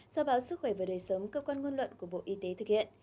do báo sức khỏe và đời sớm cơ quan ngôn luận của bộ y tế thực hiện